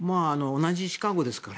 同じシカゴですから。